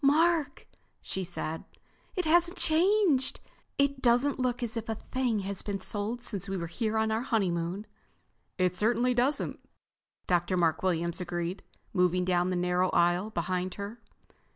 "Mark," she said, "it hasn't changed! It doesn't look as if a thing had been sold since we were here on our honeymoon." "It certainly doesn't," Dr. Mark Williams agreed, moving down the narrow aisle behind her.